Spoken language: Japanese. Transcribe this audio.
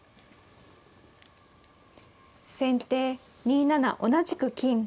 先手２七同じく金。